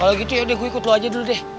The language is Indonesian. kalau gitu yaudah gue ikut lo aja dulu deh